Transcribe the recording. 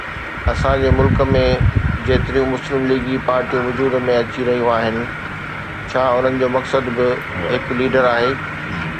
اسان جي ملڪ ۾ جيتريون مسلم ليگي پارٽيون وجود ۾ اچي رهيون آهن، ڇا انهن جو مقصد به هڪ ليڊر آهي؟